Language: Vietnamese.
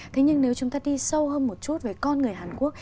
thế nhưng nếu chúng ta đi sâu hơn một chút về con người hàn quốc